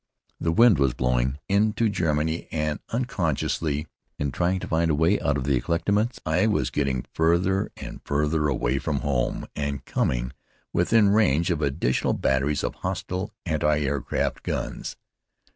The wind was blowing into Germany, and unconsciously, in trying to find a way out of the éclatements, I was getting farther and farther away from home and coming within range of additional batteries of hostile anti aircraft guns.